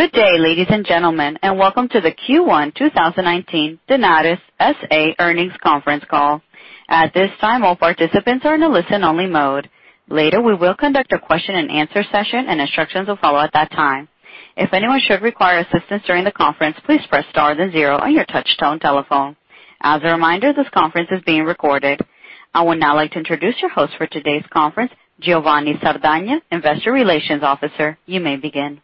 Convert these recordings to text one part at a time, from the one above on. Good day, ladies and gentlemen, welcome to the Q1 2019 Tenaris S.A. Earnings Conference Call. At this time, all participants are in a listen-only mode. Later, we will conduct a question-and-answer session, and instructions will follow at that time. If anyone should require assistance during the conference, please press star then zero on your touch-tone telephone. As a reminder, this conference is being recorded. I would now like to introduce your host for today's conference, Giovanni Sardagna, Investor Relations Officer. You may begin.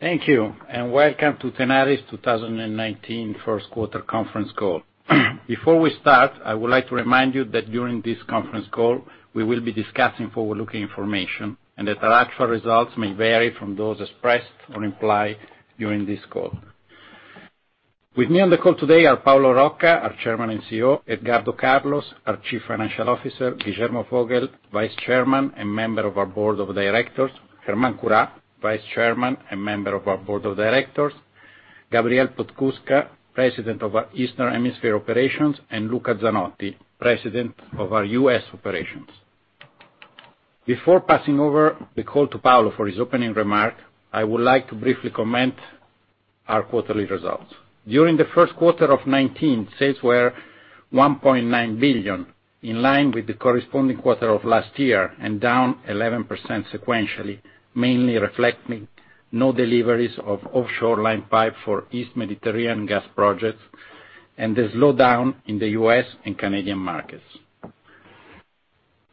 Thank you, and welcome to Tenaris 2019 first quarter conference call. Before we start, I would like to remind you that during this conference call, we will be discussing forward-looking information and that our actual results may vary from those expressed or implied during this call. With me on the call today are Paolo Rocca, our Chairman and CEO, Edgardo Carles, our Chief Financial Officer, Guillermo Vogel, Vice Chairman and Member of our Board of Directors, Germán Curá, Vice Chairman and Member of our Board of Directors, Gabriel Podskubka, President of our Eastern Hemisphere Operations, and Luca Zanotti, President of our U.S. Operations. Before passing over the call to Paolo for his opening remark, I would like to briefly comment our quarterly results. During the first quarter of 2019, sales were $1.9 billion, in line with the corresponding quarter of last year and down 11% sequentially, mainly reflecting no deliveries of offshore line pipe for East Mediterranean gas projects and the slowdown in the U.S. and Canadian markets.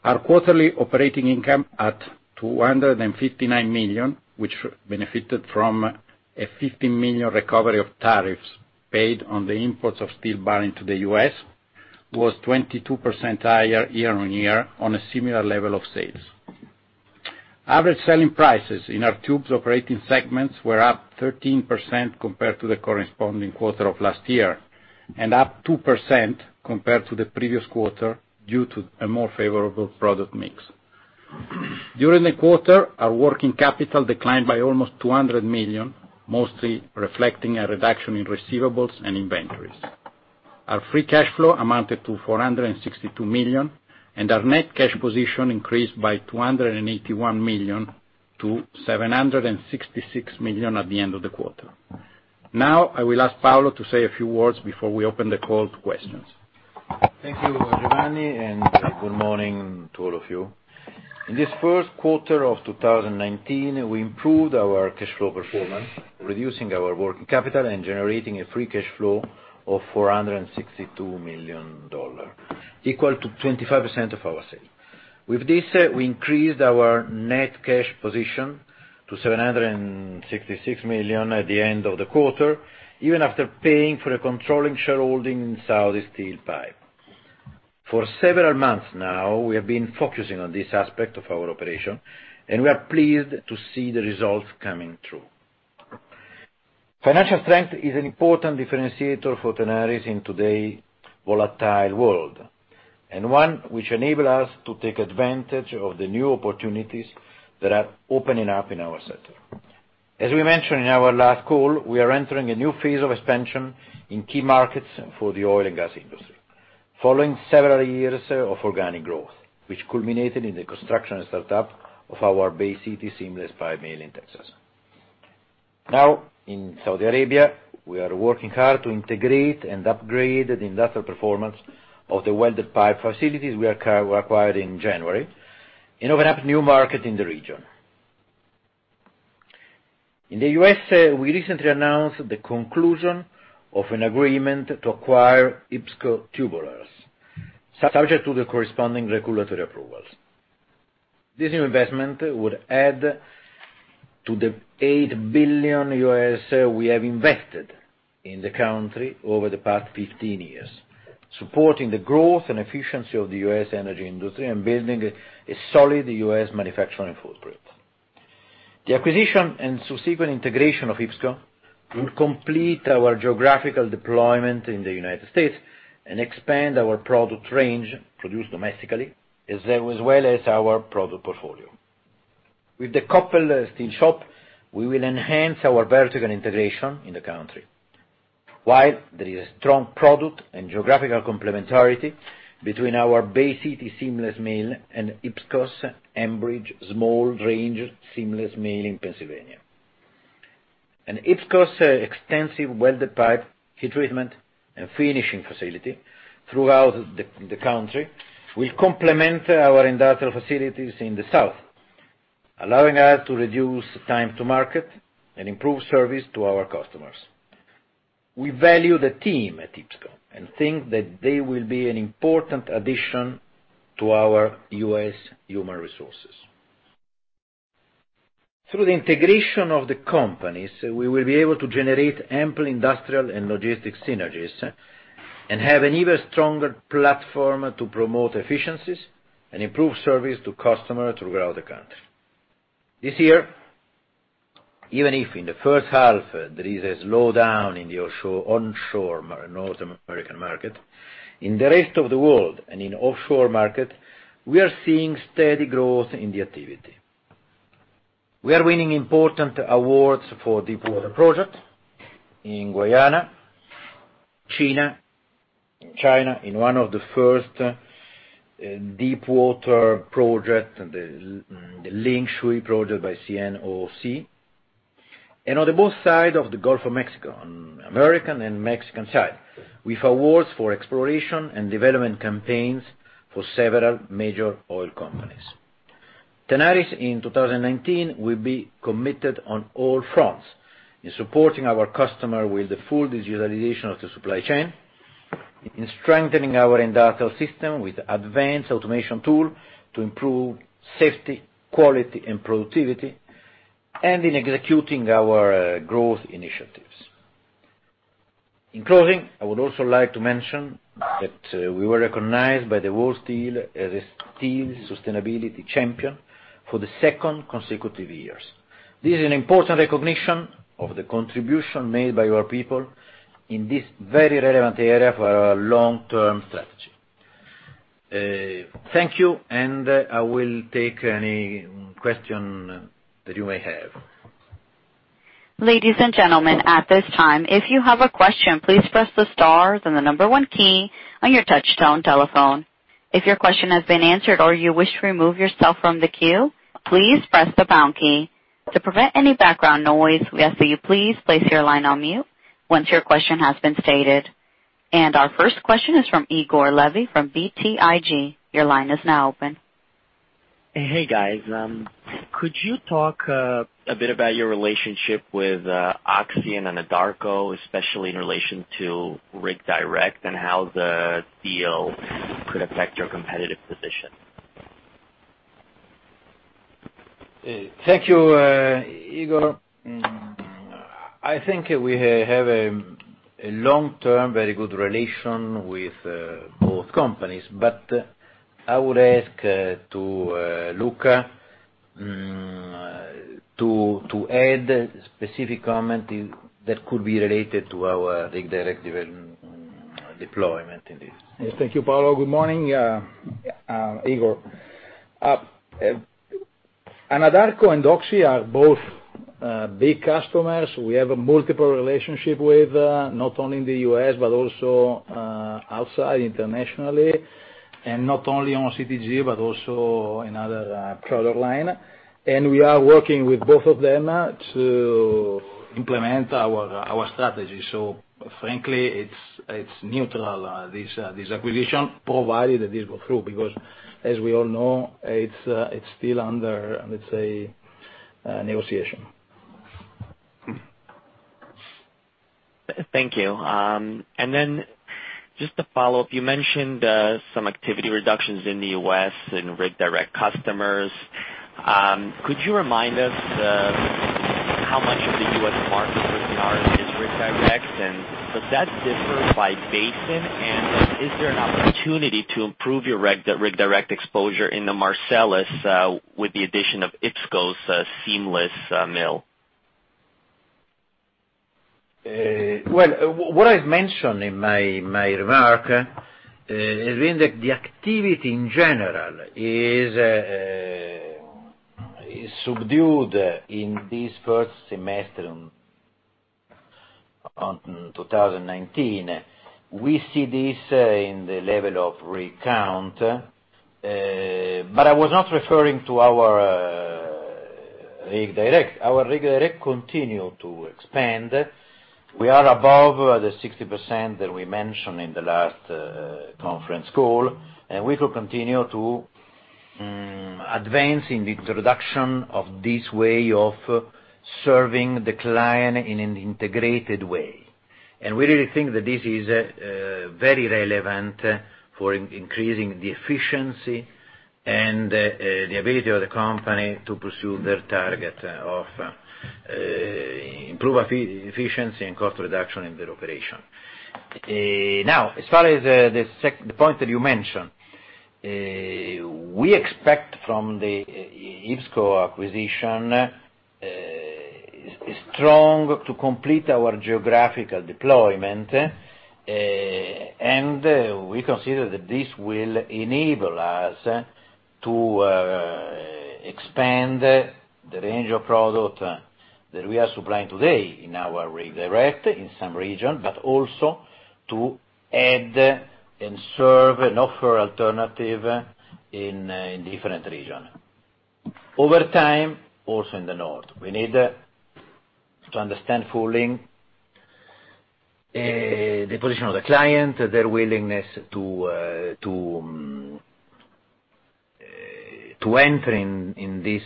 Our quarterly operating income at $259 million, which benefited from a $50 million recovery of tariffs paid on the imports of steel barring to the U.S., was 22% higher year-on-year on a similar level of sales. Average selling prices in our tubes operating segments were up 13% compared to the corresponding quarter of last year, and up 2% compared to the previous quarter due to a more favorable product mix. During the quarter, our working capital declined by almost $200 million, mostly reflecting a reduction in receivables and inventories. Our free cash flow amounted to $462 million, and our net cash position increased by $281 million to $766 million at the end of the quarter. Now, I will ask Paolo to say a few words before we open the call to questions. Thank you, Giovanni, and good morning to all of you. In this first quarter of 2019, we improved our cash flow performance, reducing our working capital and generating a free cash flow of $462 million, equal to 25% of our sales. With this, we increased our net cash position to $766 million at the end of the quarter, even after paying for a controlling shareholding in Saudi Steel Pipe. For several months now, we have been focusing on this aspect of our operation, we are pleased to see the results coming through. Financial strength is an important differentiator for Tenaris in today volatile world, and one which enable us to take advantage of the new opportunities that are opening up in our sector. As we mentioned in our last call, we are entering a new phase of expansion in key markets for the oil and gas industry following several years of organic growth, which culminated in the construction and startup of our Bay City Seamless Pipe Mill in Texas. In Saudi Arabia, we are working hard to integrate and upgrade the industrial performance of the welded pipe facilities we acquired in January and open up new market in the region. In the U.S., we recently announced the conclusion of an agreement to acquire IPSCO Tubulars, subject to the corresponding regulatory approvals. This new investment would add to the $8 billion we have invested in the country over the past 15 years, supporting the growth and efficiency of the U.S. energy industry and building a solid U.S. manufacturing footprint. The acquisition and subsequent integration of IPSCO will complete our geographical deployment in the United States and expand our product range produced domestically, as well as our product portfolio. With the Koppel Steel shop, we will enhance our vertical integration in the country. There is a strong product and geographical complementarity between our Bay City Seamless mill and IPSCO's Ambridge small range seamless mill in Pennsylvania. IPSCO's extensive welded pipe heat treatment and finishing facility throughout the country will complement our industrial facilities in the south, allowing us to reduce time to market and improve service to our customers. We value the team at IPSCO and think that they will be an important addition to our U.S. human resources. Through the integration of the companies, we will be able to generate ample industrial and logistics synergies and have an even stronger platform to promote efficiencies and improve service to customer throughout the country. This year, even if in the first half, there is a slowdown in the onshore Northern American market, in the rest of the world and in offshore market, we are seeing steady growth in the activity. We are winning important awards for deepwater project in Guyana, China, in one of the first deepwater project, the Lingshui project by CNOOC, and on the both side of the Gulf of Mexico, on American and Mexican side, with awards for exploration and development campaigns for several major oil companies. Tenaris in 2019 will be committed on all fronts in supporting our customer with the full digitalization of the supply chain, in strengthening our industrial system with advanced automation tool to improve safety, quality, and productivity, in executing our growth initiatives. In closing, I would also like to mention that we were recognized by the World Steel as a steel sustainability champion for the second consecutive years. This is an important recognition of the contribution made by our people in this very relevant area for our long-term strategy. Thank you, and I will take any question that you may have. Ladies and gentlemen, at this time, if you have a question, please press the Star then the number one key on your touchtone telephone. If your question has been answered or you wish to remove yourself from the queue, please press the pound key. To prevent any background noise, we ask that you please place your line on mute once your question has been stated. Our first question is from Igor Levi from BTIG. Your line is now open. Hey, guys. Could you talk a bit about your relationship with Oxy and Anadarko, especially in relation to Rig Direct and how the deal could affect your competitive position? Thank you, Igor. I think we have a long-term, very good relation with both companies. I would ask to Luca to add specific comment that could be related to our Rig Direct development deployment in this. Yes. Thank you, Paolo. Good morning, Igor. Anadarko and Oxy are both big customers. We have a multiple relationship with, not only in the U.S., but also outside internationally, and not only on OCTG, but also in other product line. We are working with both of them to implement our strategy. Frankly, it's neutral, this acquisition, provided that this go through, because as we all know, it's still under, let's say, negotiation. Thank you. Just to follow up, you mentioned some activity reductions in the U.S. in Rig Direct customers. Could you remind us how much of the U.S. market for Tenaris is Rig Direct, and does that differ by basin? Is there an opportunity to improve your Rig Direct exposure in the Marcellus, with the addition of IPSCO's seamless mill? Well, what I've mentioned in my remark, is when the activity in general is subdued in this first semester on 2019. We see this in the level of rig count. I was not referring to our Rig Direct. Our Rig Direct continue to expand. We are above the 60% that we mentioned in the last conference call. We could continue to advance in the introduction of this way of serving the client in an integrated way. We really think that this is very relevant for increasing the efficiency and the ability of the company to pursue their target of improve efficiency and cost reduction in their operation. Now, as far as the point that you mentioned, we expect from the IPSCO acquisition, strong to complete our geographical deployment. We consider that this will enable us to expand the range of product that we are supplying today in our Rig Direct in some region, but also to add and serve and offer alternative in different region. Over time, also in the North. We need to understand fully the position of the client, their willingness to enter in this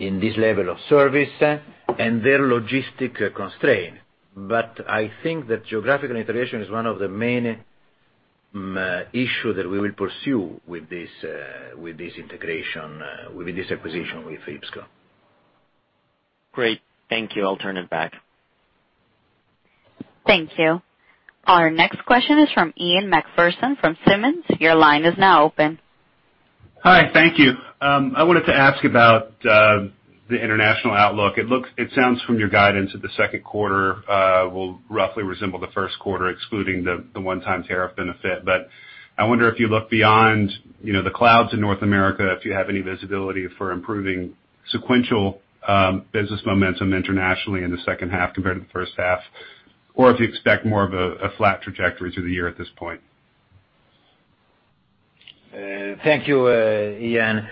level of service, and their logistic constraint. I think that geographical integration is one of the main issue that we will pursue with this integration, with this acquisition with IPSCO. Great. Thank you. I'll turn it back. Thank you. Our next question is from Ian MacPherson from Simmons. Your line is now open. Hi. Thank you. I wanted to ask about the international outlook. It sounds from your guidance that the second quarter will roughly resemble the first quarter, excluding the one-time tariff benefit. I wonder if you look beyond the clouds in North America, if you have any visibility for improving sequential business momentum internationally in the second half compared to the first half, or if you expect more of a flat trajectory through the year at this point. Thank you, Ian.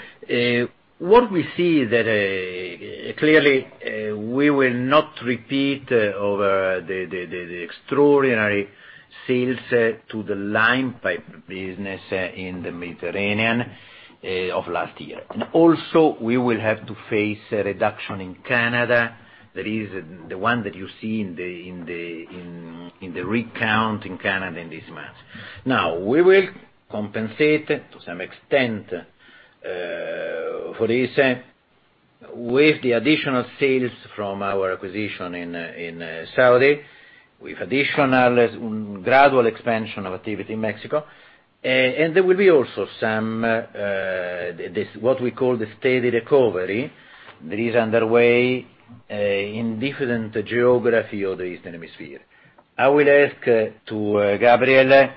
What we see is that clearly, we will not repeat over the extraordinary sales to the line pipe business in the Mediterranean of last year. Also, we will have to face a reduction in Canada. That is the one that you see in the recount in Canada in this month. Now, we will compensate to some extent for this with the additional sales from our acquisition in Saudi, with additional gradual expansion of activity in Mexico. There will be also some, what we call the steady recovery that is underway in different geography of the Eastern Hemisphere. I will ask to Gabriel to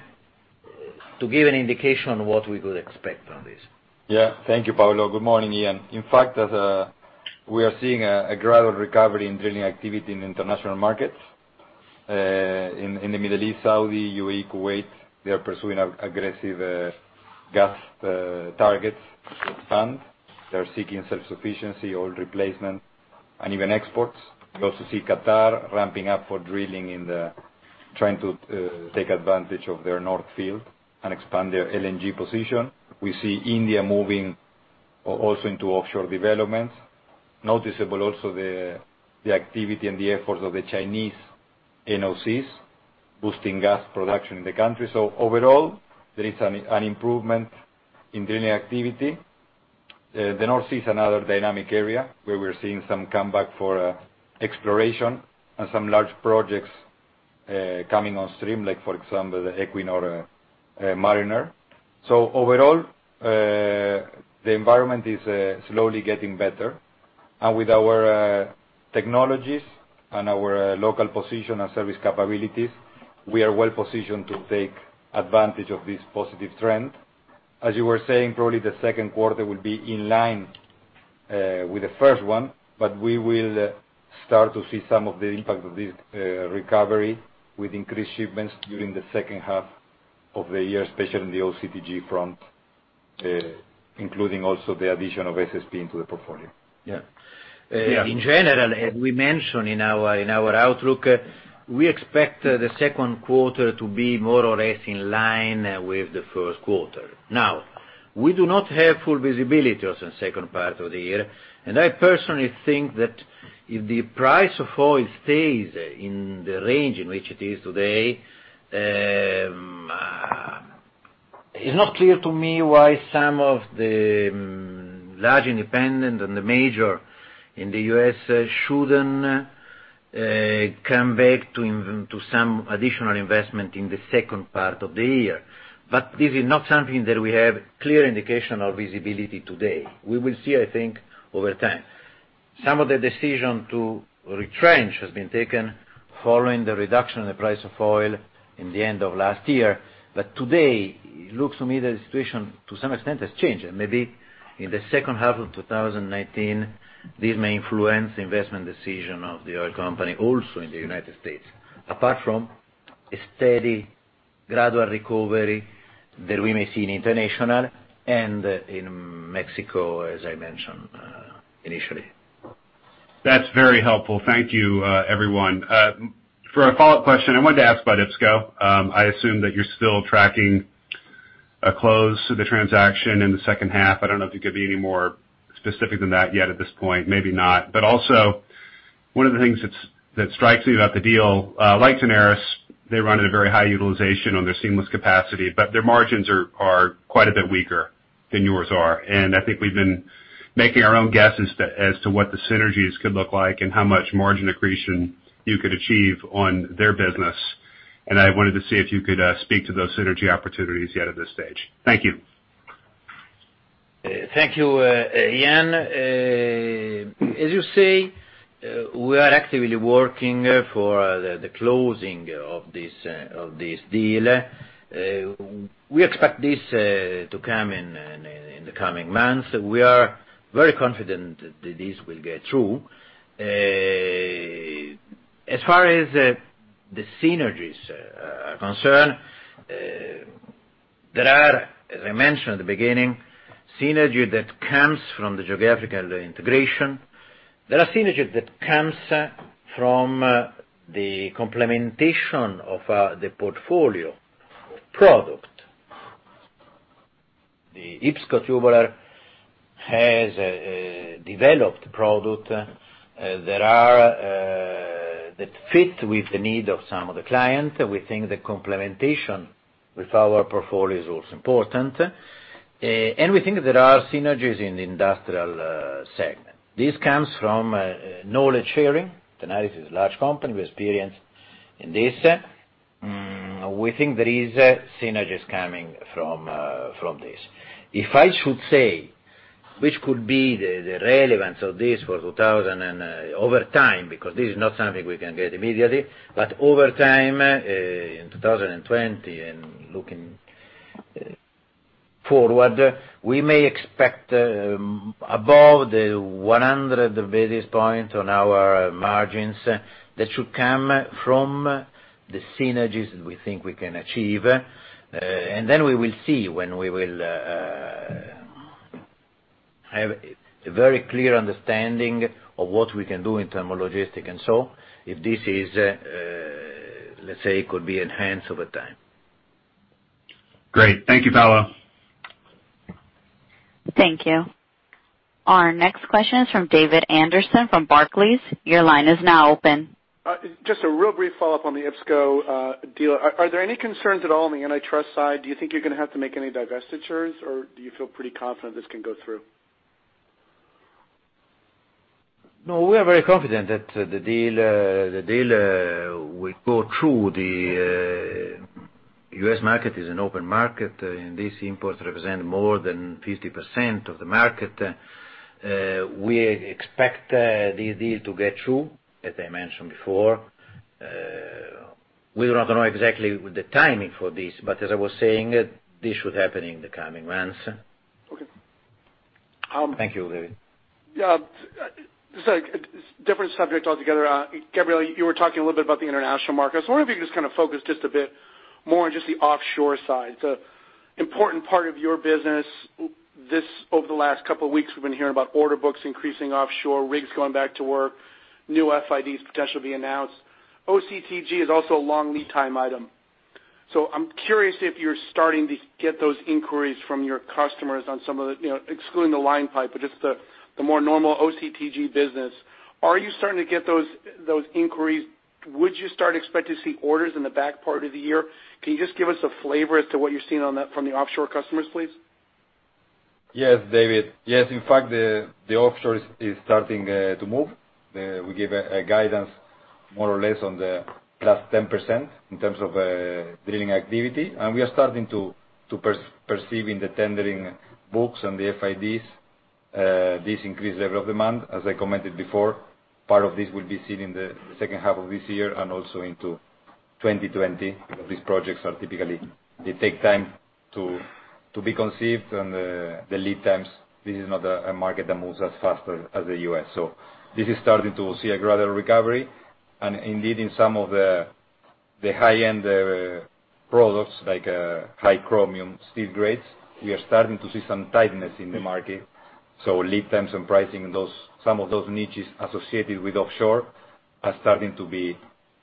give an indication on what we could expect on this. Thank you, Paolo. Good morning, Ian. In fact, we are seeing a gradual recovery in drilling activity in international markets. In the Middle East, Saudi, UAE, Kuwait, they are pursuing aggressive gas targets to expand. They're seeking self-sufficiency, old replacement, and even exports. We also see Qatar ramping up for drilling, trying to take advantage of their north field and expand their LNG position. We see India moving also into offshore development. Noticeable also the activity and the efforts of the Chinese NOCs boosting gas production in the country. Overall, there is an improvement in drilling activity. The North Sea is another dynamic area where we're seeing some comeback for exploration and some large projects coming on stream, like for example, the Equinor Mariner. Overall, the environment is slowly getting better. With our technologies and our local position and service capabilities, we are well positioned to take advantage of this positive trend. As you were saying, probably the second quarter will be in line with the first one, but we will start to see some of the impact of this recovery with increased shipments during the second half of the year, especially on the OCTG front, including also the addition of SSP into the portfolio. Yeah. Yeah. In general, as we mentioned in our outlook, we expect the second quarter to be more or less in line with the first quarter. Now, we do not have full visibility on the second part of the year, and I personally think that if the price of oil stays in the range in which it is today, it's not clear to me why some of the large independent and the major in the U.S. shouldn't come back to some additional investment in the second part of the year. This is not something that we have clear indication or visibility today. We will see, I think, over time. Some of the decision to retrench has been taken following the reduction in the price of oil in the end of last year. Today, it looks to me the situation, to some extent, has changed. Maybe in the second half of 2019, this may influence the investment decision of the oil company also in the United States. Apart from a steady gradual recovery that we may see in international and in Mexico, as I mentioned initially. That's very helpful. Thank you, everyone. For a follow-up question, I wanted to ask about IPSCO. I assume that you're still tracking a close to the transaction in the second half. I don't know if you can be any more specific than that yet at this point. Maybe not. Also, one of the things that strikes me about the deal, like Tenaris, they run at a very high utilization on their seamless capacity, but their margins are quite a bit weaker than yours are. I think we've been making our own guess as to what the synergies could look like and how much margin accretion you could achieve on their business. I wanted to see if you could speak to those synergy opportunities yet at this stage. Thank you. Thank you, Ian. As you say, we are actively working for the closing of this deal. We expect this to come in the coming months. We are very confident that this will get through. As far as the synergies are concerned, there are, as I mentioned at the beginning, synergy that comes from the geographical integration. There are synergies that comes from the complementation of the portfolio of product. The IPSCO Tubular has a developed product that fit with the need of some of the clients. We think the complementation with our portfolio is also important. We think there are synergies in the industrial segment. This comes from knowledge sharing. Tenaris is a large company with experience in this. We think there is synergies coming from this. If I should say, which could be the relevance of this for 2000 and over time, because this is not something we can get immediately, but over time, in 2020 and looking forward, we may expect above the 100 basis points on our margins that should come from the synergies that we think we can achieve. Then we will see when we will have a very clear understanding of what we can do in term of logistic. So if this is, let's say, could be enhanced over time. Great. Thank you, Paolo. Thank you. Our next question is from David Anderson from Barclays. Your line is now open. Just a real brief follow-up on the IPSCO deal. Are there any concerns at all on the antitrust side? Do you think you're going to have to make any divestitures, or do you feel pretty confident this can go through? No, we are very confident that the deal will go through. The U.S. market is an open market, and these imports represent more than 50% of the market. We expect the deal to get through, as I mentioned before. We do not know exactly the timing for this, but as I was saying, this should happen in the coming months. Okay. Thank you, David. Yeah. Different subject altogether. Gabriel, you were talking a little bit about the international markets. I wonder if you could just kind of focus just a bit more on just the offshore side, the important part of your business. This, over the last couple of weeks, we've been hearing about order books increasing offshore, rigs going back to work, new FIDs potentially being announced. OCTG is also a long lead time item. I'm curious if you're starting to get those inquiries from your customers on some of the, excluding the line pipe, but just the more normal OCTG business. Are you starting to get those inquiries? Would you start expect to see orders in the back part of the year? Can you just give us a flavor as to what you're seeing on that from the offshore customers, please? Yes, David. Yes. In fact, the offshore is starting to move. We give a guidance more or less on the plus 10% in terms of drilling activity. We are starting to perceiving the tendering books and the FIDs, this increased level of demand. As I commented before, part of this will be seen in the second half of this year and also into 2020. These projects are typically, they take time to be conceived and the lead times. This is not a market that moves as faster as the U.S. This is starting to see a gradual recovery. Indeed, in some of the high-end products, like high chromium steel grades, we are starting to see some tightness in the market. Lead times and pricing in some of those niches associated with offshore are starting to be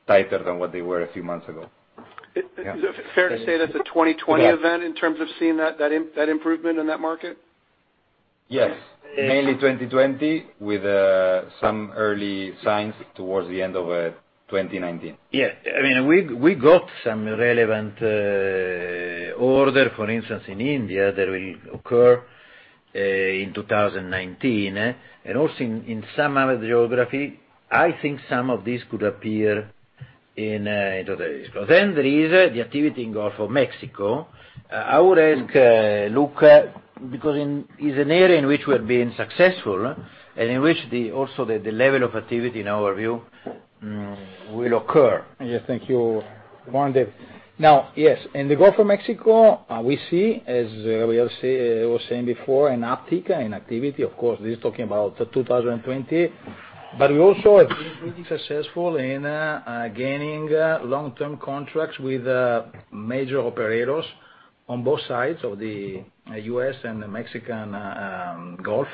tighter than what they were a few months ago. Is it fair to say that's a 2020 event in terms of seeing that improvement in that market? Yes. Mainly 2020 with some early signs towards the end of 2019. Yeah. We got some relevant order, for instance, in India that will occur in 2019. Also in some other geography. I think some of this could appear in today. There is the activity in Gulf of Mexico. I would ask Luca, because it's an area in which we are being successful and in which also the level of activity in our view will occur. Yes. Thank you. Morning, Dave. Now, yes, in the Gulf of Mexico, we see, as Gabriel was saying before, an uptick in activity. Of course, this is talking about 2020. We also have been pretty successful in gaining long-term contracts with major operators on both sides of the U.S. and the Mexican Gulf.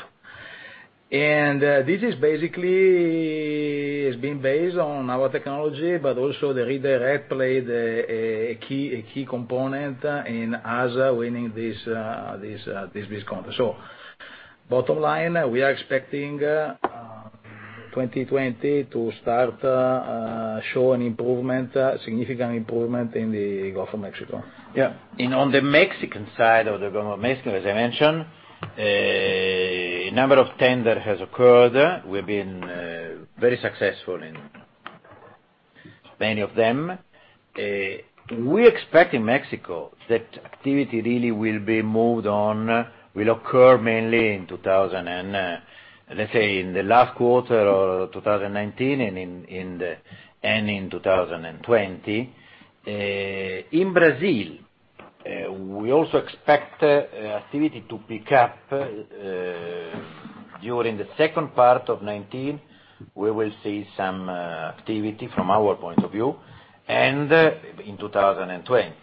This is basically has been based on our technology, but also the Rig Direct played a key component in us winning this business contract. Bottom line, we are expecting 2020 to start show an improvement, significant improvement in the Gulf of Mexico. Yeah. On the Mexican side of the Gulf of Mexico, as I mentioned, a number of tender has occurred. We've been very successful in many of them. We expect in Mexico that activity really will be moved on, will occur mainly in the last quarter of 2019 and in 2020. In Brazil, we also expect activity to pick up, during the second part of 2019. We will see some activity from our point of view and in 2020.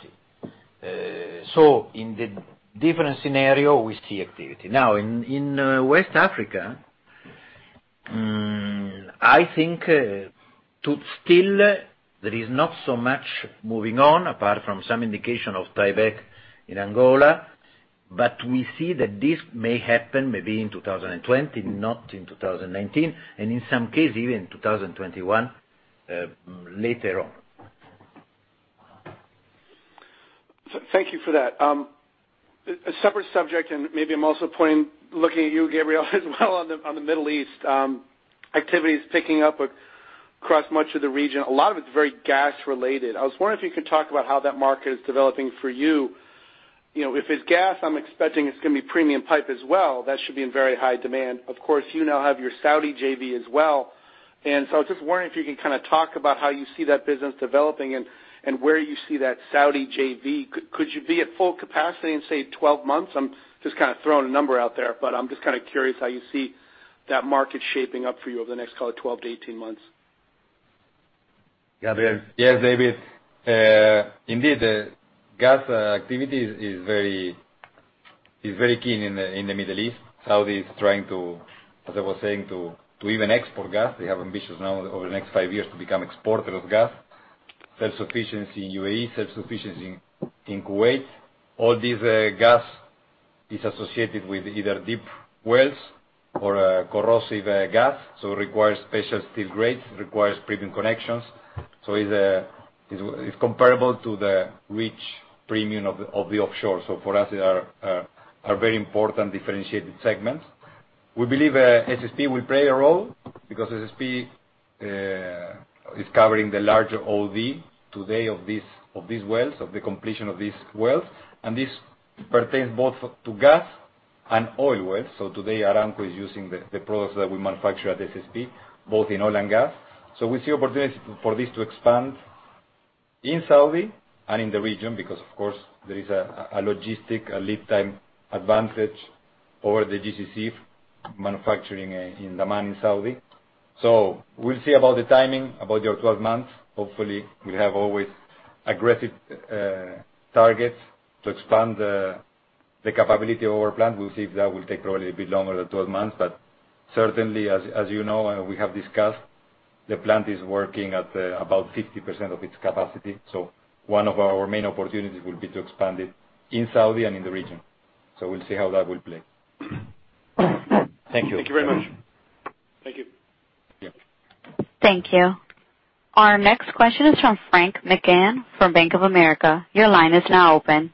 In the different scenario, we see activity. In West Africa, I think still there is not so much moving on apart from some indication of tieback in Angola. We see that this may happen maybe in 2020, not in 2019, and in some cases, even 2021, later on. Thank you for that. A separate subject, and maybe I'm also looking at you, Gabriel, as well on the Middle East. Activity is picking up across much of the region. A lot of it is very gas-related. I was wondering if you could talk about how that market is developing for you. If it's gas, I'm expecting it's going to be premium pipe as well. That should be in very high demand. Of course, you now have your Saudi JV as well. I was just wondering if you could talk about how you see that business developing and where you see that Saudi JV. Could you be at full capacity in, say, 12 months? I'm just throwing a number out there, but I'm just curious how you see that market shaping up for you over the next, call it 12-18 months. Gabriel? Yes, David. Indeed, gas activity is very keen in the Middle East. Saudi is trying to, as I was saying, to even export gas. They have ambitions now over the next 5 years to become exporter of gas. Self-sufficiency in UAE, self-sufficiency in Kuwait. All this gas is associated with either deep wells or corrosive gas, so it requires special steel grades, requires premium connections. It's comparable to the rich premium of the offshore. For us, they are a very important differentiated segment. We believe SSP will play a role because SSP is covering the larger OD today of the completion of these wells, and this pertains both to gas and oil wells. Today, Aramco is using the products that we manufacture at SSP, both in oil and gas. We see opportunity for this to expand in Saudi and in the region because, of course, there is a logistic, a lead time advantage over the GCC manufacturing in Dammam, Saudi. We'll see about the timing, about your 12 months. Hopefully, we have always aggressive targets to expand the capability of our plant. We'll see if that will take probably a bit longer than 12 months. Certainly, as you know, and we have discussed, the plant is working at about 50% of its capacity. One of our main opportunities will be to expand it in Saudi and in the region. We'll see how that will play. Thank you. Thank you very much. Thank you. Yeah. Thank you. Our next question is from Frank McGann from Bank of America. Your line is now open.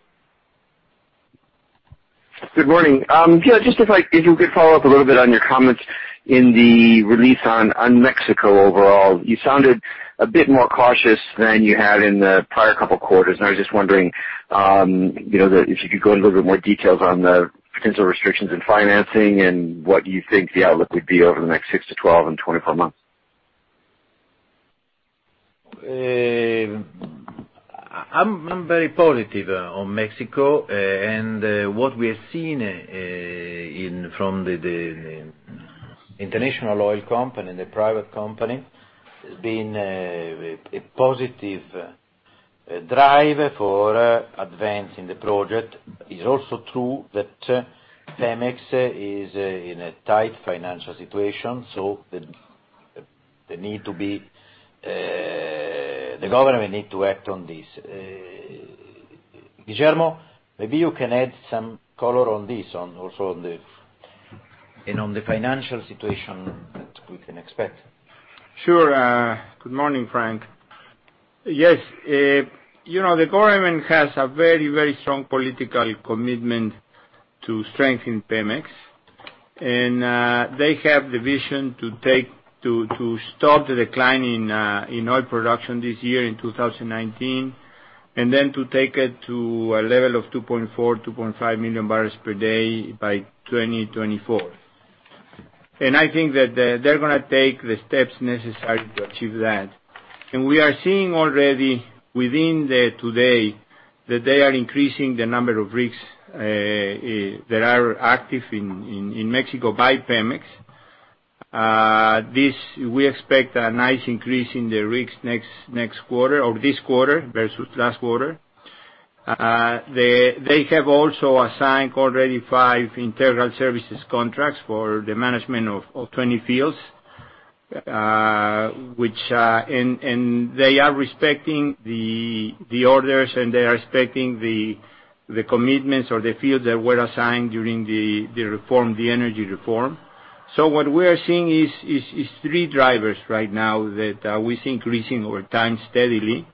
Good morning. Paolo, if you could follow up a little bit on your comments in the release on Mexico overall. You sounded a bit more cautious than you had in the prior couple quarters, and I was just wondering if you could go into a little bit more details on the potential restrictions in financing and what you think the outlook would be over the next 6 to 12 and 24 months. I'm very positive on Mexico. What we have seen from the international oil company, the private company, has been a positive drive for advancing the project. It's also true that Pemex is in a tight financial situation, the government need to act on this. Guillermo, maybe you can add some color on this, and on the financial situation that we can expect. Sure. Good morning, Frank. Yes. The government has a very strong political commitment to strengthen Pemex, and they have the vision to stop the decline in oil production this year in 2019, then to take it to a level of 2.4, 2.5 million barrels per day by 2024. I think that they're going to take the steps necessary to achieve that. We are seeing already within today that they are increasing the number of rigs that are active in Mexico by Pemex. We expect a nice increase in the rigs this quarter versus last quarter. They have also assigned already five integral services contracts for the management of 20 fields. They are respecting the orders, and they are respecting the commitments or the fields that were assigned during the energy reform. What we are seeing is three drivers right now that we see increasing over time steadily.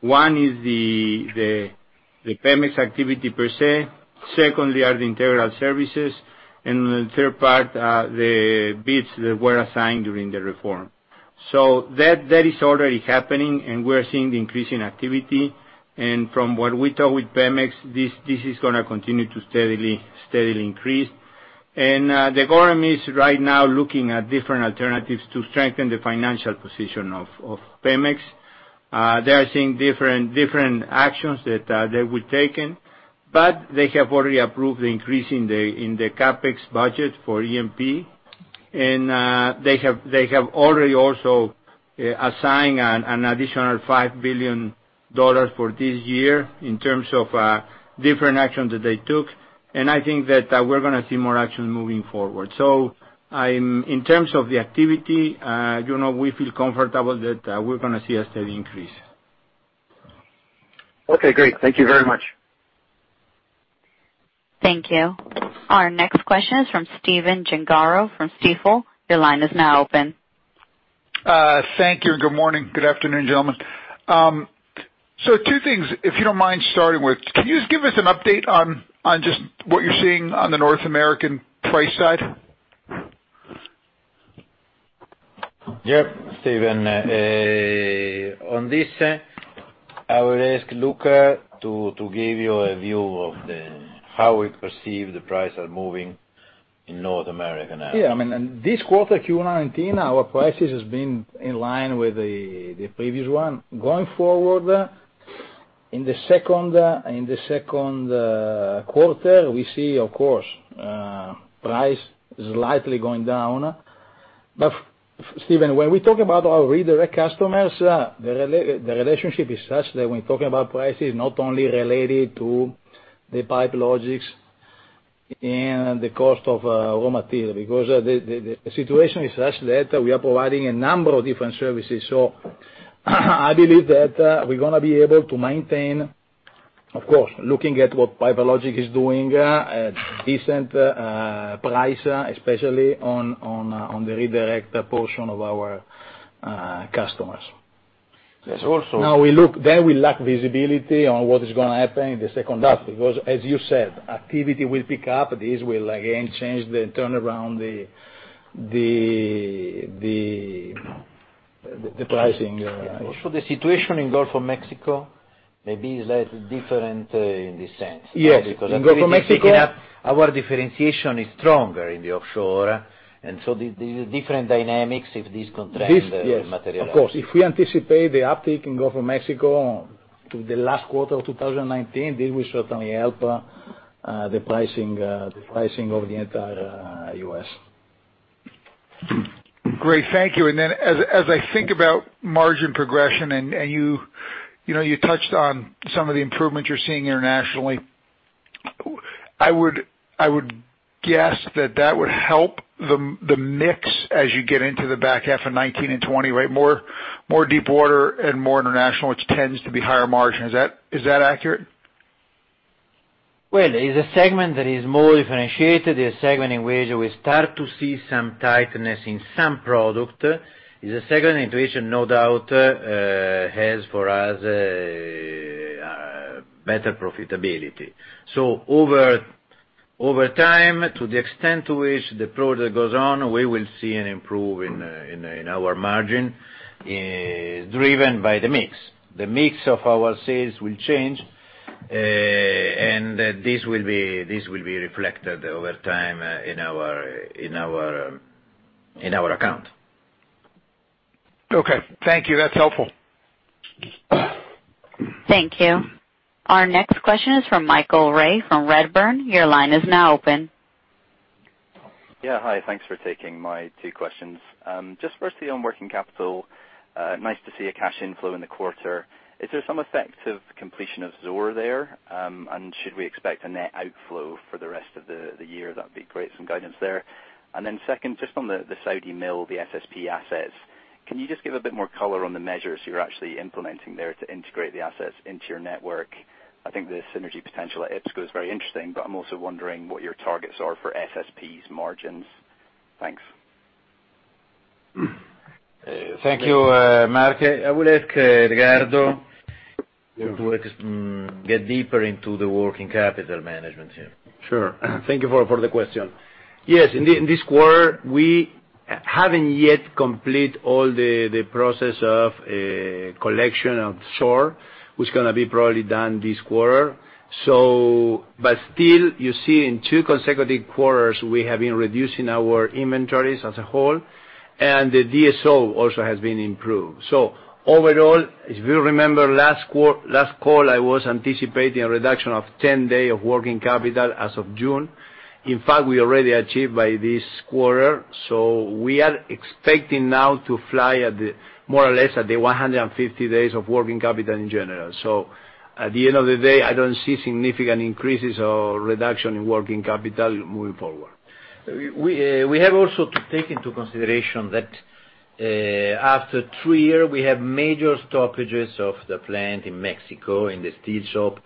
One is the Pemex activity per se. Secondly, are the integral services. The third part, the bids that were assigned during the reform. That is already happening, and we are seeing the increase in activity. From what we talk with Pemex, this is going to continue to steadily increase. The government is right now looking at different alternatives to strengthen the financial position of Pemex. They are seeing different actions that they will take, but they have already approved the increase in the CapEx budget for E&P. They have already also assigned an additional $5 billion for this year in terms of different actions that they took. I think that we're going to see more action moving forward. In terms of the activity, we feel comfortable that we're going to see a steady increase. Okay, great. Thank you very much. Thank you. Our next question is from Stephen Gengaro from Stifel. Your line is now open. Thank you, and good morning. Good afternoon, gentlemen. Two things, if you don't mind starting with, can you just give us an update on just what you're seeing on the North American price side? Yep. Stephen, on this, I would ask Luca to give you a view of how we perceive the prices are moving in North America now. This quarter, Q1 2019, our prices has been in line with the previous one. Going forward, in the second quarter, we see, of course, price slightly going down. Stephen, when we talk about our Rig Direct customers, the relationship is such that when talking about prices, not only related to the PipeLogix and the cost of raw material. The situation is such that we are providing a number of different services. I believe that we're going to be able to maintain, of course, looking at what PipeLogix is doing, a decent price, especially on the Rig Direct portion of our customers. There's also. We lack visibility on what is going to happen in the second half, because as you said, activity will pick up. This will again change the turnaround, the pricing. Also, the situation in Gulf of Mexico may be slightly different in this sense. Yes. In Gulf of Mexico. Activity picking up, our differentiation is stronger in the offshore, there's different dynamics if this contract materialize. Yes. Of course. If we anticipate the uptick in Gulf of Mexico to the last quarter of 2019, this will certainly help the pricing of the entire U.S. Great. Thank you. Then as I think about margin progression, and you touched on some of the improvements you're seeing internationally. I would guess that that would help the mix as you get into the back half of 2019 and 2020, right? More deepwater and more international, which tends to be higher margin. Is that accurate? Well, it is a segment that is more differentiated. The segment in which we start to see some tightness in some product. Is a segment in which no doubt, has for us, better profitability. Over time, to the extent to which the product goes on, we will see an improve in our margin, driven by the mix. The mix of our sales will change, and this will be reflected over time in our account. Okay. Thank you. That's helpful. Thank you. Our next question is from Michael Ray from Redburn. Your line is now open. Yeah. Hi. Thanks for taking my two questions. Firstly on working capital, nice to see a cash inflow in the quarter. Should we expect a net outflow for the rest of the year? That'd be great. Some guidance there. Then second, just on the Saudi mill, the SSP assets. Can you just give a bit more color on the measures you're actually implementing there to integrate the assets into your network? I think the synergy potential at IPSCO is very interesting, but I'm also wondering what your targets are for SSP's margins. Thanks. Thank you, Michael. I would ask Edgardo to get deeper into the working capital management here. Sure. Thank you for the question. Yes, in this quarter, we haven't yet complete all the process of collection of Zohr, which is going to be probably done this quarter. Still, you see in two consecutive quarters, we have been reducing our inventories as a whole, and the DSO also has been improved. Overall, if you remember last call, I was anticipating a reduction of 10 day of working capital as of June. In fact, we already achieved by this quarter. We are expecting now to fly at the more or less at the 150 days of working capital in general. At the end of the day, I don't see significant increases or reduction in working capital moving forward. We have also to take into consideration that after three year, we have major stoppages of the plant in Mexico in the steel shop.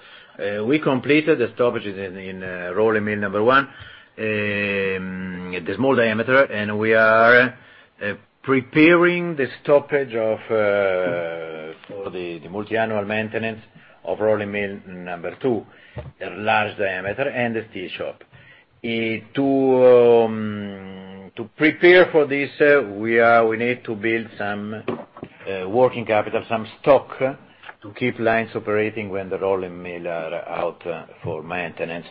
We completed the stoppages in rolling mill number 1, the small diameter, and we are preparing the stoppage for the multi-annual maintenance of rolling mill number 2, large diameter, and the steel shop. To prepare for this, we need to build some working capital, some stock to keep lines operating when the rolling mill are out for maintenance.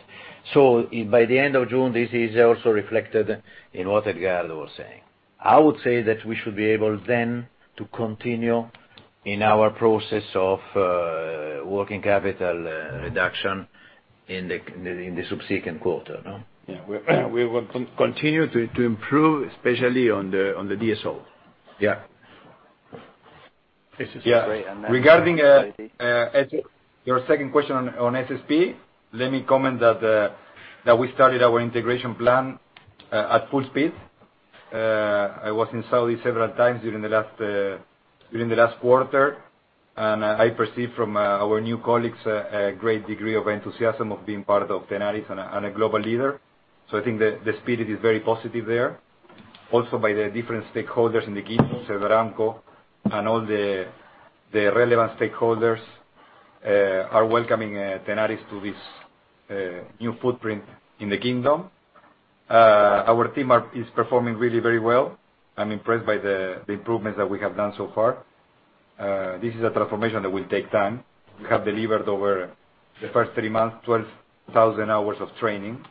By the end of June, this is also reflected in what Edgardo was saying. I would say that we should be able then to continue in our process of working capital reduction in the subsequent quarter. Yeah. We will continue to improve, especially on the DSO. Yeah. This is great. Regarding your second question on SSP, let me comment that we started our integration plan at full speed I was in Saudi several times during the last quarter. I perceive from our new colleagues a great degree of enthusiasm of being part of Tenaris and a global leader. I think the spirit is very positive there. Also, by the different stakeholders in the kingdom. Aramco and all the relevant stakeholders are welcoming Tenaris to this new footprint in the kingdom. Our team is performing really very well. I'm impressed by the improvements that we have done so far. This is a transformation that will take time. We have delivered over the first three months, 12,000 hours of training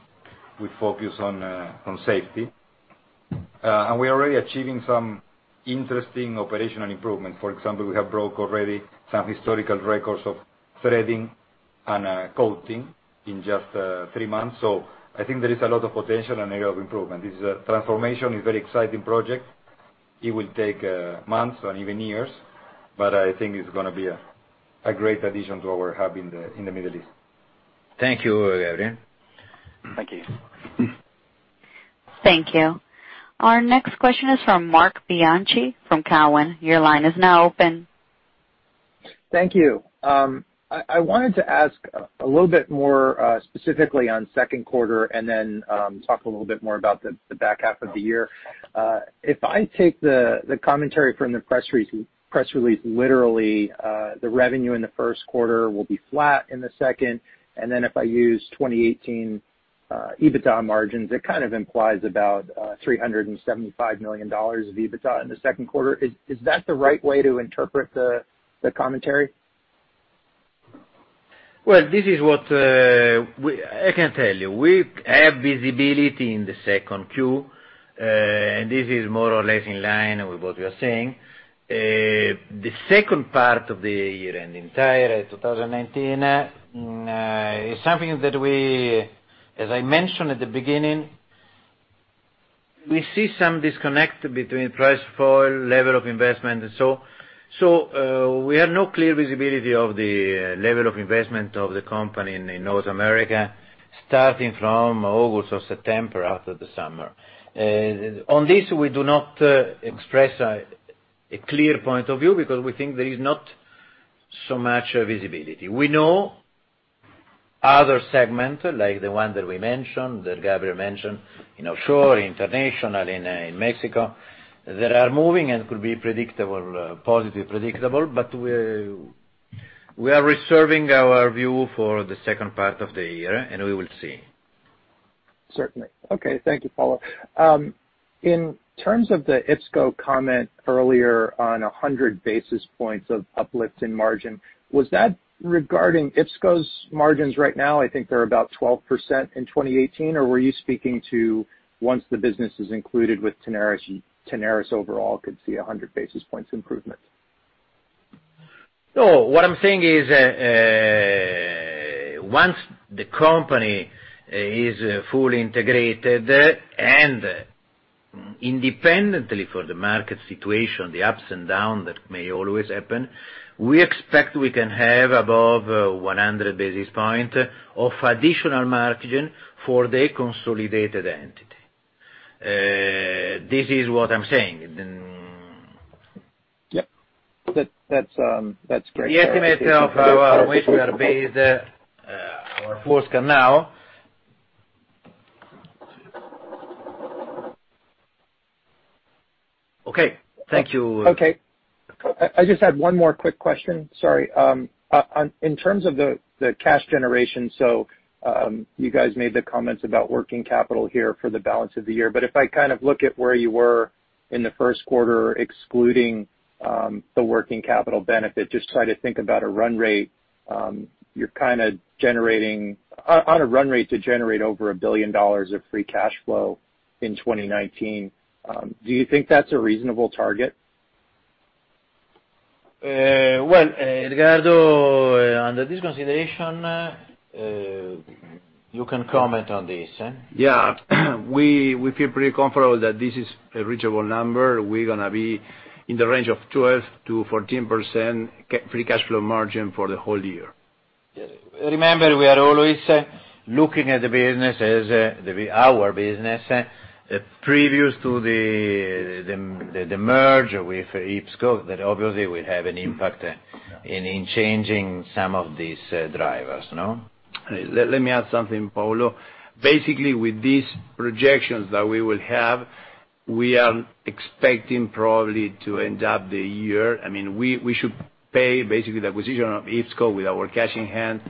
with focus on safety. We are already achieving some interesting operational improvement. For example, we have broke already some historical records of threading and coating in just three months. I think there is a lot of potential and area of improvement. This is a transformation, a very exciting project. It will take months or even years, but I think it's going to be a great addition to what we have in the Middle East. Thank you, Gabriel. Thank you. Thank you. Our next question is from Marc Bianchi from Cowen. Your line is now open. Thank you. I wanted to ask a little bit more specifically on second quarter, and then talk a little bit more about the back half of the year. If I take the commentary from the press release literally, the revenue in the first quarter will be flat in the second, and then if I use 2018 EBITDA margins, it kind of implies about $375 million of EBITDA in the second quarter. Is that the right way to interpret the commentary? Well, I can tell you. We have visibility in the second Q, and this is more or less in line with what we are saying. The second part of the year and entire 2019, is something that as I mentioned at the beginning, we see some disconnect between price for level of investment and so. We have no clear visibility of the level of investment of the company in North America, starting from August or September after the summer. On this, we do not express a clear point of view because we think there is not so much visibility. We know other segment, like the one that we mentioned, that Gabriel mentioned, in offshore, international, in Mexico, that are moving and could be positively predictable, but we are reserving our view for the second part of the year, and we will see. Certainly. Okay. Thank you, Paolo. In terms of the IPSCO comment earlier on 100 basis points of uplift in margin, was that regarding IPSCO's margins right now? I think they're about 12% in 2018, or were you speaking to once the business is included with Tenaris overall could see 100 basis points improvement? What I'm saying is, once the company is fully integrated and independently for the market situation, the ups and downs that may always happen, we expect we can have above 100 basis points of additional margin for the consolidated entity. This is what I'm saying. Yep. That's great. The estimate of our, which we are based, our forecast now. Okay. Thank you. Okay. I just had one more quick question, sorry. In terms of the cash generation, you guys made the comments about working capital here for the balance of the year, if I look at where you were in the first quarter, excluding the working capital benefit, just try to think about a run rate, you're kind of on a run rate to generate over $1 billion of free cash flow in 2019. Do you think that's a reasonable target? Well, Edgardo, under this consideration, you can comment on this, yeah? Yeah. We feel pretty comfortable that this is a reachable number. We're going to be in the range of 12%-14% free cash flow margin for the whole year. Remember, we are always looking at the business, our business, previous to the merge with IPSCO, that obviously will have an impact in changing some of these drivers. Let me add something, Paolo. Basically, with these projections that we will have, we are expecting probably to end up the year. We should pay basically the acquisition of IPSCO with our cash in hand.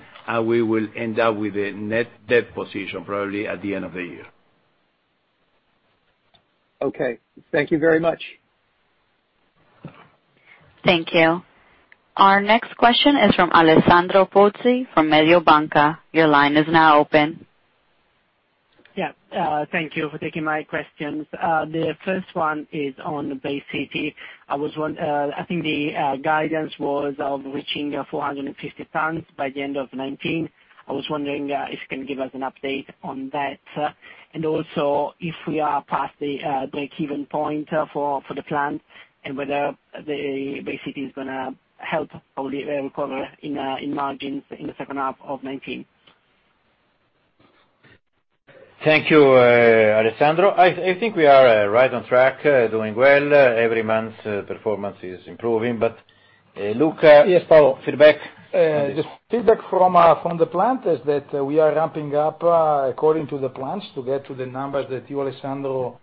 We will end up with a net debt position probably at the end of the year. Okay. Thank you very much. Thank you. Our next question is from Alessandro Pozzi from Mediobanca. Your line is now open. Yeah. Thank you for taking my questions. The first one is on Bay City. I think the guidance was of reaching 450 tons by the end of 2019. I was wondering if you can give us an update on that. Also if we are past the breakeven point for the plant and whether Bay City is going to help probably recover in margins in the second half of 2019. Thank you, Alessandro. I think we are right on track, doing well. Every month, performance is improving. Luca. Yes, Paolo. Feedback on this. The feedback from the plant is that we are ramping up according to the plans to get to the numbers that you, Alessandro,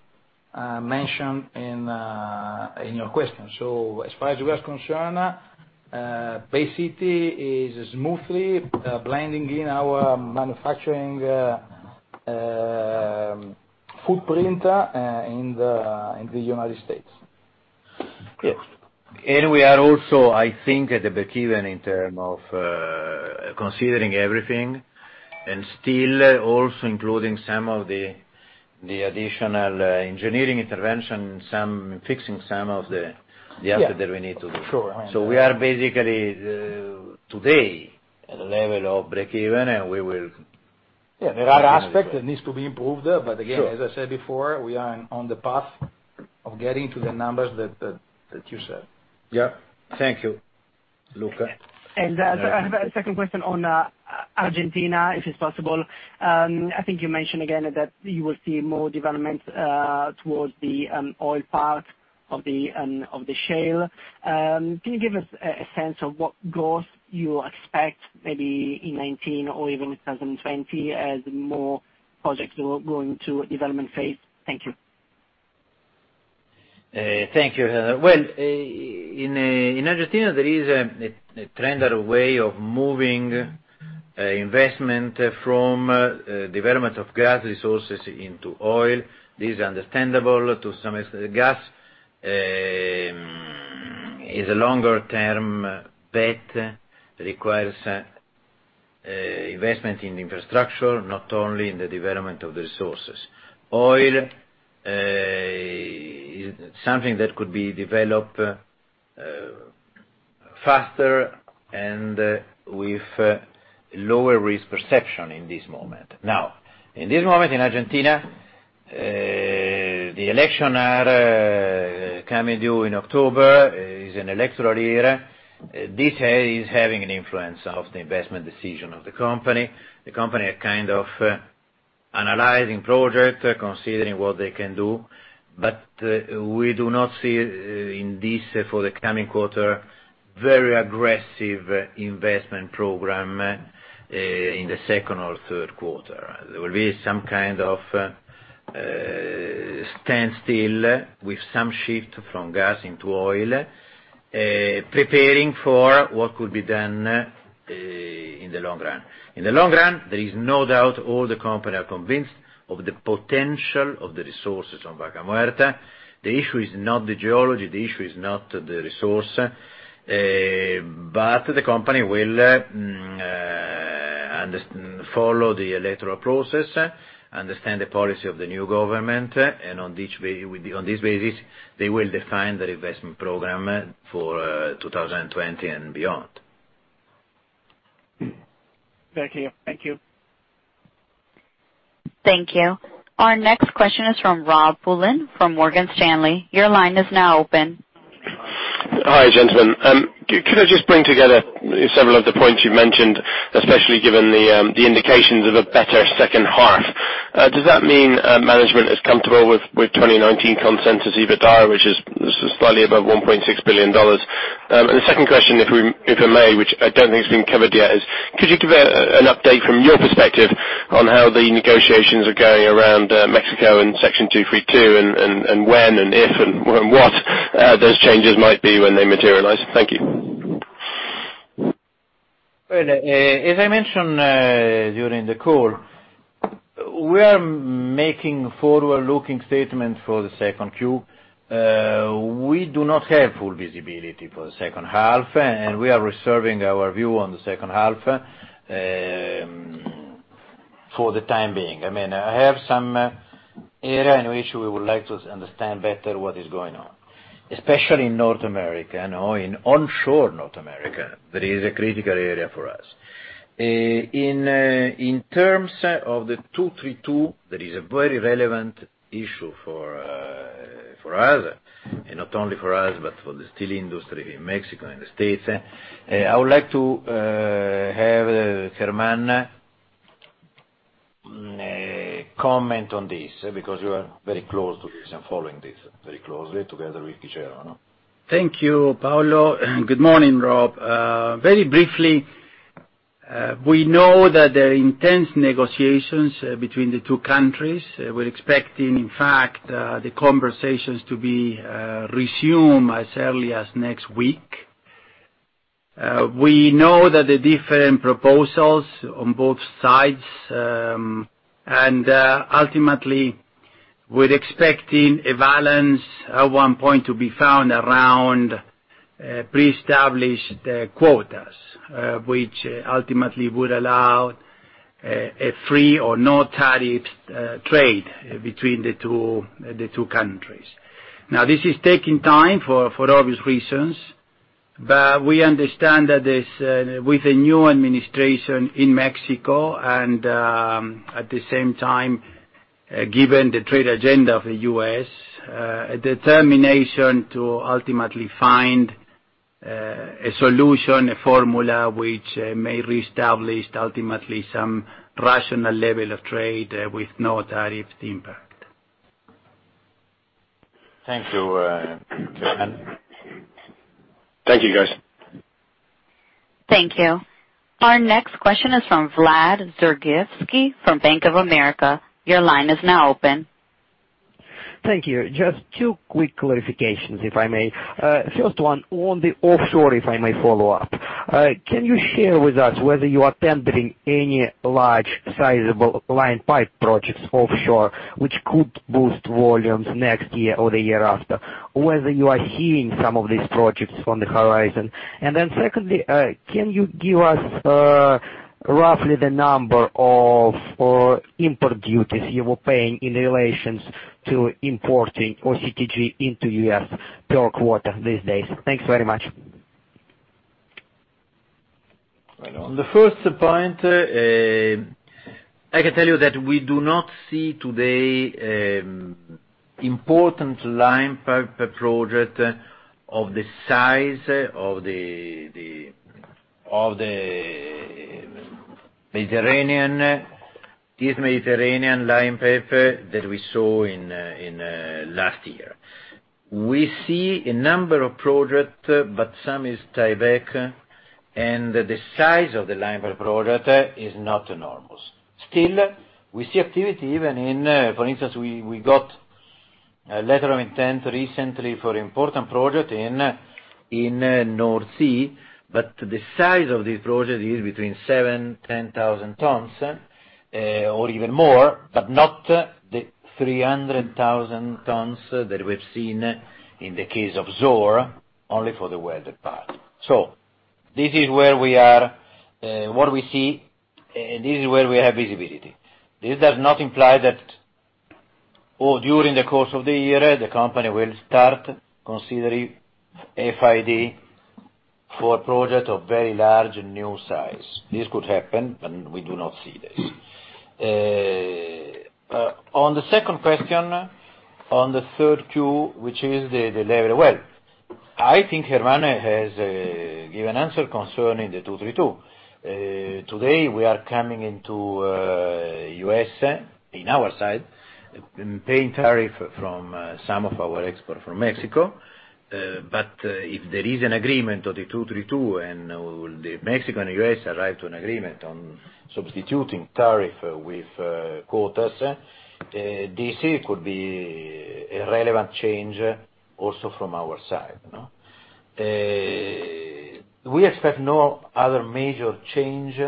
mentioned in your question. As far as we're concerned, Bay City is smoothly blending in our manufacturing footprint in the United States. Yes. We are also, I think, at a breakeven in terms of considering everything, and still also including some of the additional engineering intervention. Yeah the output that we need to do. Sure. We are basically, today, at a level of breakeven. There are aspects that needs to be improved. Sure. Again, as I said before, we are on the path of getting to the numbers that you said. Yeah. Thank you, Luca. I have a second question on Argentina, if it's possible. I think you mentioned again that you will see more development towards the oil part of the shale. Can you give us a sense of what growth you expect maybe in 2019 or even 2020 as more projects go into development phase? Thank you. Thank you. Well, in Argentina, there is a trend or way of moving investment from development of gas resources into oil. This is understandable to some extent. Gas is a longer-term bet, requires investment in infrastructure, not only in the development of the resources. Oil, something that could be developed faster and with lower risk perception in this moment. In this moment in Argentina, the election are coming due in October. It's an electoral year. This is having an influence of the investment decision of the company. The company are kind of analyzing project, considering what they can do. We do not see in this, for the coming quarter, very aggressive investment program in the second or third quarter. There will be some kind of standstill with some shift from gas into oil, preparing for what could be done in the long run. In the long run, there is no doubt all the company are convinced of the potential of the resources on Vaca Muerta. The issue is not the geology, the issue is not the resource. The company will follow the electoral process, understand the policy of the new government, and on this basis, they will define their investment program for 2020 and beyond. Thank you. Thank you. Thank you. Our next question is from Rob Poulin from Morgan Stanley. Your line is now open. Hi, gentlemen. Could I just bring together several of the points you've mentioned, especially given the indications of a better second half. Does that mean management is comfortable with 2019 consensus EBITDA, which is slightly above $1.6 billion? The second question, if I may, which I don't think it's been covered yet, is, could you give an update from your perspective on how the negotiations are going around Mexico and Section 232 and when and if and what those changes might be when they materialize? Thank you. Well, as I mentioned during the call, we are making forward-looking statements for the second Q. We do not have full visibility for the second half, and we are reserving our view on the second half for the time being. I have some area in which we would like to understand better what is going on, especially in North America, in onshore North America. That is a critical area for us. In terms of the 232, that is a very relevant issue for us, and not only for us, but for the steel industry in Mexico and the U.S. I would like to have Germán comment on this because you are very close to this and following this very closely together with Giordano. Thank you, Paolo. Good morning, Rob. Very briefly, we know that there are intense negotiations between the two countries. We're expecting, in fact, the conversations to be resume as early as next week. We know that the different proposals on both sides. Ultimately, we're expecting a balance at one point to be found around pre-established quotas, which ultimately would allow a free or no tariff trade between the two countries. This is taking time for obvious reasons, but we understand that with a new administration in Mexico and, at the same time, given the trade agenda of the U.S., a determination to ultimately find A solution, a formula, which may reestablish ultimately some rational level of trade with no tariff impact. Thank you, Germán. Thank you, guys. Thank you. Our next question is from Vlad Dzhergovsky from Bank of America. Your line is now open. Thank you. Just two quick clarifications, if I may. First one, on the offshore, if I may follow up. Can you share with us whether you are tendering any large sizable line pipe projects offshore, which could boost volumes next year or the year after? Whether you are seeing some of these projects on the horizon. Secondly, can you give us roughly the number of import duties you were paying in relations to importing OCTG into U.S. per quarter these days? Thanks very much. The first point, I can tell you that we do not see today important line pipe project of the size of the Mediterranean line pipe that we saw in last year. We see a number of project, but some is tieback, and the size of the line pipe project is not enormous. Still, we see activity even in, for instance, we got a letter of intent recently for important project in North Sea, but the size of this project is between seven, 10,000 tons, or even more, but not the 300,000 tons that we've seen in the case of Zohr, only for the welded part. This is what we see, and this is where we have visibility. This does not imply that or during the course of the year, the company will start considering FID for a project of very large and new size. This could happen. We do not see this. On the second question, on the third Q, which is the level of wealth. I think Germán has given answer concerning the 232. Today, we are coming into U.S., in our side, paying tariff from some of our export from Mexico. If there is an agreement of the 232, and Mexico and U.S. arrive to an agreement on substituting tariff with quotas, this could be a relevant change also from our side. We expect no other major change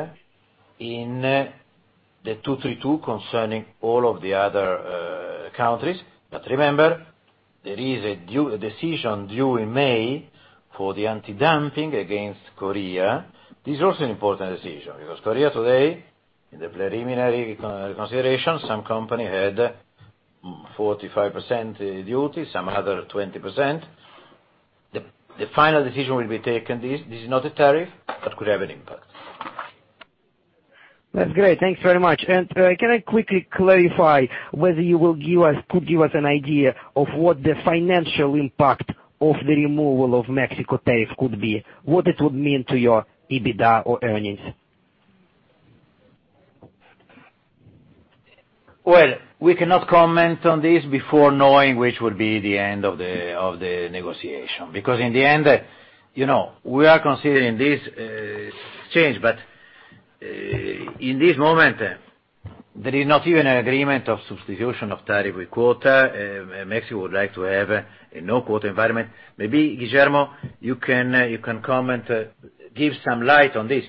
in the 232 concerning all of the other countries. Remember, there is a decision due in May for the anti-dumping against Korea. This is also an important decision because Korea today, in the preliminary consideration, some company had 45% duty, some other 20%. The final decision will be taken. This is not a tariff, could have an impact. That's great. Thank you very much. Can I quickly clarify whether you could give us an idea of what the financial impact of the removal of Mexico tariff could be, what it would mean to your EBITDA or earnings? Well, we cannot comment on this before knowing which will be the end of the negotiation. In the end, we are considering this change, in this moment, there is not even an agreement of substitution of tariff with quota. Mexico would like to have a no quota environment. Maybe, Guillermo, you can comment, give some light on this.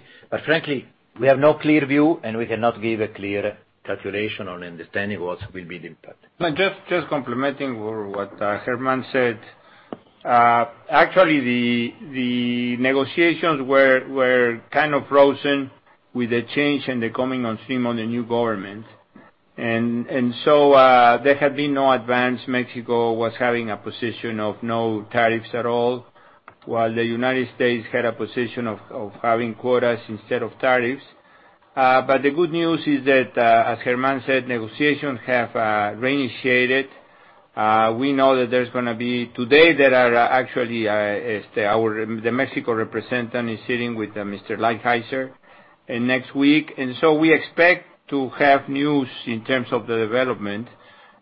Frankly, we have no clear view, we cannot give a clear calculation or understanding what will be the impact. Just complementing what Germán said. Actually, the negotiations were kind of frozen with the change and the coming on stream on the new government. There had been no advance. Mexico was having a position of no tariffs at all, while the U.S. had a position of having quotas instead of tariffs. The good news is that, as Germán said, negotiations have reinitiated. We know that today, there are actually, the Mexico representative is sitting with Mr. Lighthizer, and next week. We expect to have news in terms of the development,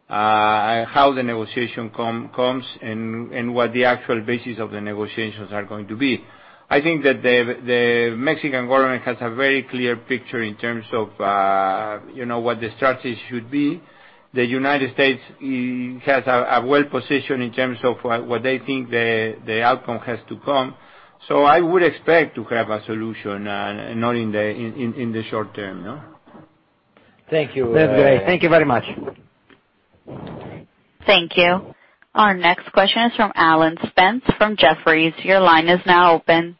how the negotiation comes, and what the actual basis of the negotiations are going to be. I think that the Mexican government has a very clear picture in terms of what the strategy should be. The U.S. has a well position in terms of what they think the outcome has to come. I would expect to have a solution, not in the short term, no. Thank you. That's great. Thank you very much. Thank you. Our next question is from Alan Spence from Jefferies. Your line is now open.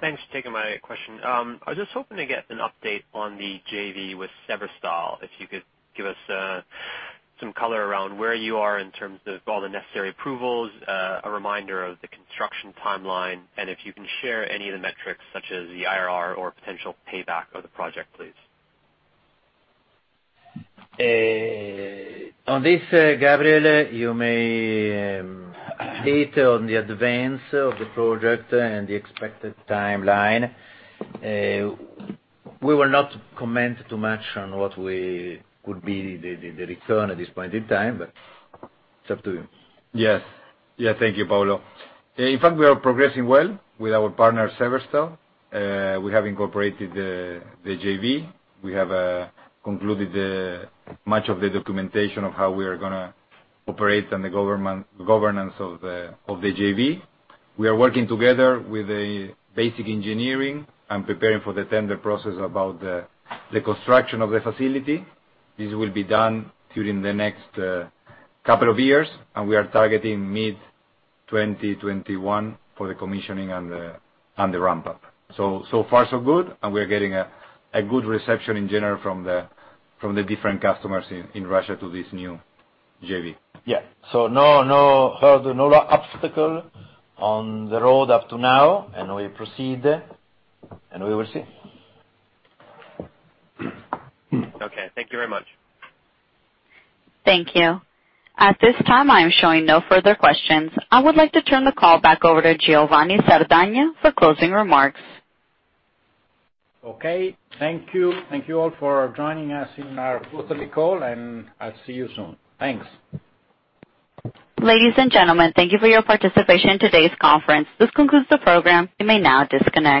Thanks for taking my question. I was just hoping to get an update on the JV with Severstal, if you could give us some color around where you are in terms of all the necessary approvals, a reminder of the construction timeline, and if you can share any of the metrics such as the IRR or potential payback of the project, please. On this, Gabriel, you may update on the advance of the project and the expected timeline. We will not comment too much on what would be the return at this point in time, but it's up to you. Yes. Thank you, Paolo. In fact, we are progressing well with our partner, Severstal. We have incorporated the JV. We have concluded much of the documentation of how we are going to operate on the governance of the JV. We are working together with the basic engineering and preparing for the tender process about the construction of the facility. This will be done during the next couple of years, and we are targeting mid 2021 for the commissioning and the ramp-up. So far so good, and we're getting a good reception in general from the different customers in Russia to this new JV. Yes. No hurdle, no obstacle on the road up to now, and we proceed, and we will see. Okay. Thank you very much. Thank you. At this time, I am showing no further questions. I would like to turn the call back over to Giovanni Sardagna for closing remarks. Okay. Thank you. Thank you all for joining us in our quarterly call, and I'll see you soon. Thanks. Ladies and gentlemen, thank you for your participation in today's conference. This concludes the program. You may now disconnect.